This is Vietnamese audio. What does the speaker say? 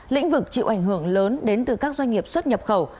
lĩnh vực chịu ảnh hưởng lớn đến từ các doanh nghiệp xuất nhập khẩu